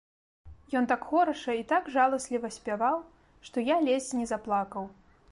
Ён так хораша і так жаласліва спяваў, што я ледзь не заплакаў.